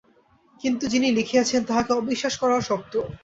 কিন্তু যিনি লিখিয়াছেন তাঁহাকে অবিশ্বাস করাও শক্ত।